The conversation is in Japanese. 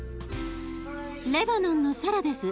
レバノンのサラです。